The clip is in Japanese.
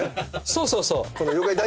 そうそうそう！